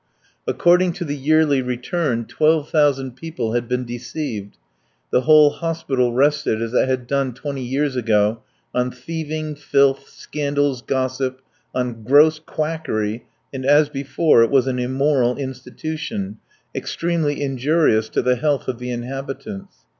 According to the yearly return, twelve thousand people had been deceived; the whole hospital rested as it had done twenty years ago on thieving, filth, scandals, gossip, on gross quackery, and, as before, it was an immoral institution extremely injurious to the health of the inhabitants.